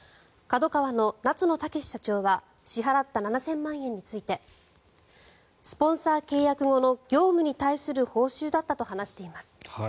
ＫＡＤＯＫＡＷＡの夏野剛社長は支払った７０００万円についてスポンサー契約後の業務に対する報酬だったと話しています。